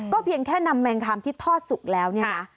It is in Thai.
เพียงแค่นำแมงคำที่ทอดสุกแล้วเนี่ยนะ